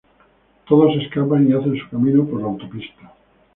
Todos escapan y hacen su camino por la autopista.